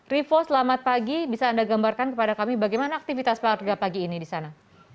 rivo selamat pagi bisa anda gambarkan kepada kami bagaimana aktivitas warga pagi ini di sana